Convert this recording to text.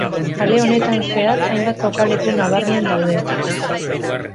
Kale honetan zehar hainbat kokaleku nabarmen daude.